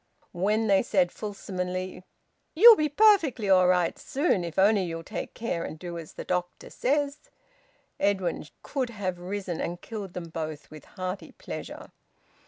When they said fulsomely, "You'll be perfectly all right soon if only you'll take care and do as the doctor says," Edwin could have risen and killed them both with hearty pleasure.